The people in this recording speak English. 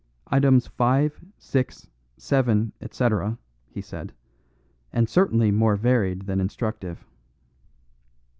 "Items five, six, seven, etc.," he said, "and certainly more varied than instructive.